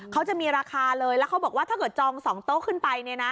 เขาจะมีราคาเลยแล้วเขาบอกว่าถ้าเกิดจอง๒โต๊ะขึ้นไปเนี่ยนะ